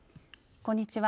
こんにちは。